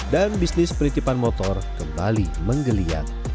dan bisnis penitipan motor kembali menggeliat